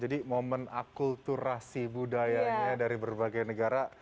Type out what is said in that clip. jadi momen akulturasi budayanya dari berbagai negara